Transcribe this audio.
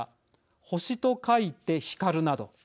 「星」と書いて「ヒカル」など。